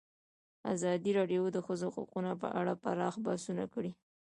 ازادي راډیو د د ښځو حقونه په اړه پراخ بحثونه جوړ کړي.